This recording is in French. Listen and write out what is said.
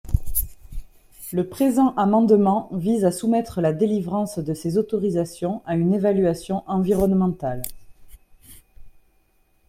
Le présent amendement vise à soumettre la délivrance de ces autorisations à une évaluation environnementale.